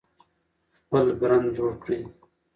خپل برند جوړ کړئ.